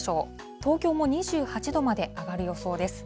東京も２８度まで上がる予想です。